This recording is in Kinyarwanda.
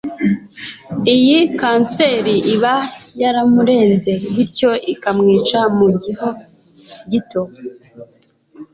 iyi kanseri iba yaramurenze bityo ikamwica mu gihe gito.